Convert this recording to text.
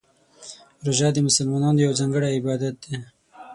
روژه د مسلمانانو یو ځانګړی عبادت دی.